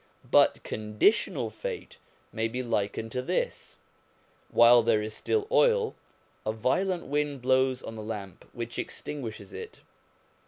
But conditional fate may be likened to this : while there is still oil, a violent wind blows on the lamp, which extinguishes it.